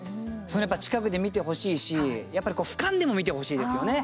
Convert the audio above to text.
近くで見てほしいし、ふかんでも見てほしいですよね。